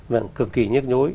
vâng cực kỳ nhức nhối